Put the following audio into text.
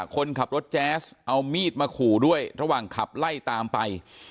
คนขับรถแจ๊สเอามีดมาขู่ด้วยระหว่างขับไล่ตามไป